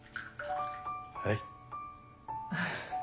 はい。